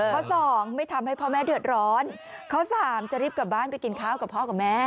สองไม่ทำให้พ่อแม่เดือดร้อนข้อสามจะรีบกลับบ้านไปกินข้าวกับพ่อกับแม่